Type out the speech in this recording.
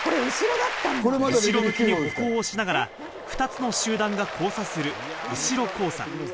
後ろ向きに歩行をしながら２つの集団が交差する、後ろ交差。